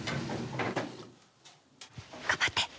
頑張って。